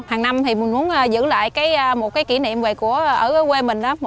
hàng năm thì mình muốn giữ lại một cái kỷ niệm về quê mình